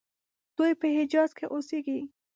دوی په حجاز کې اوسیږي.